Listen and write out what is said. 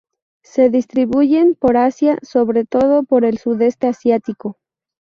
Se distribuyen por Asia, sobre todo por el sudeste asiático.